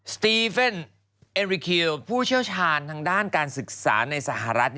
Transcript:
สตีเฟ่นเอริคิวผู้เชี่ยวชาญทางด้านการศึกษาในสหรัฐ